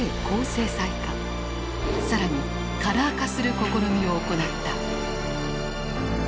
更にカラー化する試みを行った。